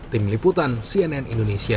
tim liputan cnn indonesia